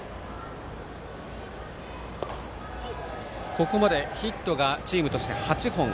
ここまでヒットがチームとして８本。